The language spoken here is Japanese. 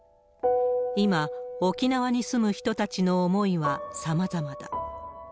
今、沖縄に住む人たちの思いはさまざまだ。